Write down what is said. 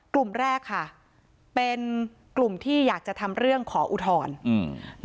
กลุ่มแรกค่ะเป็นกลุ่มที่อยากจะทำเรื่องขออุทธรณ์อืม